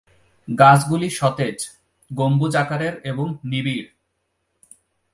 গাছগুলি সতেজ, গম্বুজ আকারের এবং নিবিড়।